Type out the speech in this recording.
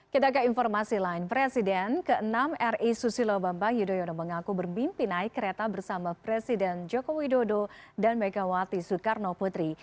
kita ke informasi lain presiden ke enam ri susilo bambang yudhoyono mengaku bermimpi naik kereta bersama presiden joko widodo dan megawati soekarno putri